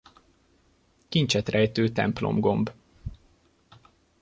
Kincset rejtő templomgomb.